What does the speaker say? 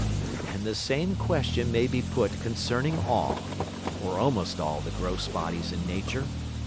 And the same Question may be put concerning all, or almost all the gross Bodies in Nature.